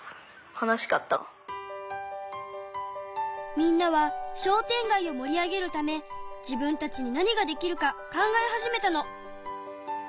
みんなは商店街をもり上げるため自分たちに何ができるか考え始めたの。